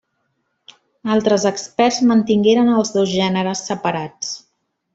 Altres experts mantingueren els dos gèneres separats.